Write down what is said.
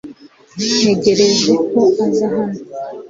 Ntegereje ko aza hano .